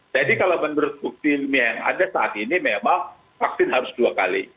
jadi kalau menurut bukti ilmiah yang ada saat ini memang vaksin harus dua kali